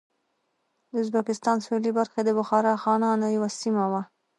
د ازبکستان سوېلې برخې د بخارا خانانو یوه سیمه وه.